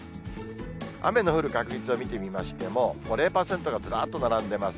雨の降る確率を見てみましても、０％がずらっと並んでます。